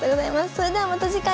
それではまた次回。